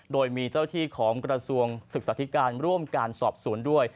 โดยมีเจ้าที่ของกระทรวงศึกษาธิการร่วมการสอบสวนด้วย